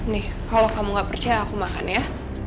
nih kalau kamu gak percaya aku makan ya